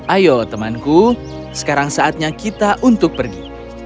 ayo temanku sekarang saatnya kita untuk pergi